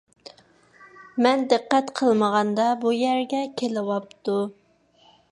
مەن دىققەت قىلمىغاندا، بۇ يەرگە كېلىۋاپتۇ.